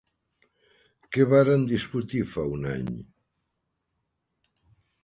Què varen discutir fa un any?